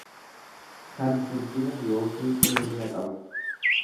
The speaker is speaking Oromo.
kan furdina yookiin dheerina qabu.